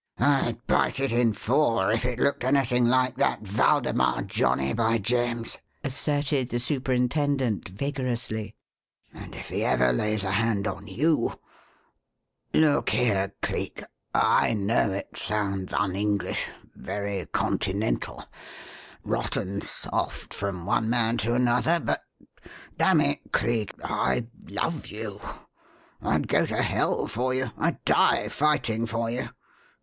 "I'd bite it in four if it looked anything like that Waldemar johnnie, by James!" asserted the superintendent, vigorously. "And if ever he lays a hand on you Look here, Cleek: I know it sounds un English, very Continental, rotten 'soft' from one man to another, but dammit, Cleek, I love you! I'd go to hell for you! I'd die fighting for you!